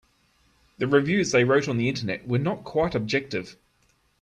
The reviews they wrote on the Internet were not quite objective.